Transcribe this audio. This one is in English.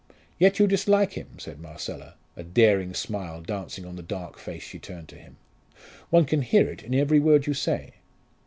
'" "Yet you dislike him!" said Marcella, a daring smile dancing on the dark face she turned to him. "One can hear it in every word you say."